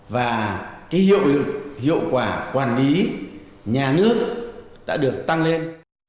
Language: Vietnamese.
và hiệu quả quản lý nhà nước đã được tăng lên